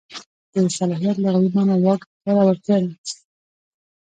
د صلاحیت لغوي مانا واک، اختیار او وړتیا ده.